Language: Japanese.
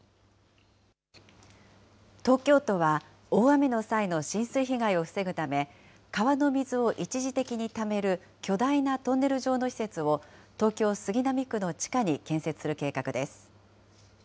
東京都は大雨の際の浸水被害を防ぐため、川の水を一時的にためる巨大なトンネル状の施設を、東京・杉並区の地下に建設する計画です。